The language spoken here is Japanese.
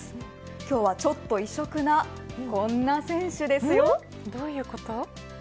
今日はちょっと異色なこんな選手ですよ。